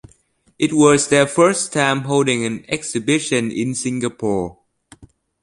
It was their first time holding an exhibition in Singapore.